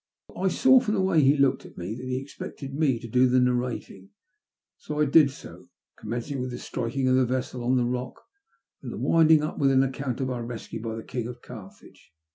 I saw from the way he looked at me that he ex pected me to do the narrating, so I did so, commencing with the striking of the vessel on the rock, and winding np with an account of our rescue by the King of Carthage.